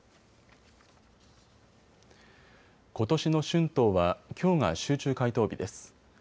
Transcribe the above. ことしの春闘はきょうが集中回答日です。